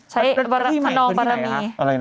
ใช้บารมีคนนองบารมี